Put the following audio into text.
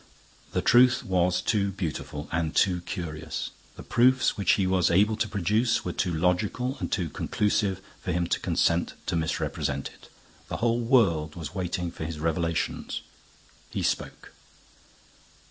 The truth was too beautiful and too curious, the proofs which he was able to produce were too logical and too conclusive for him to consent to misrepresent it. The whole world was waiting for his revelations. He spoke.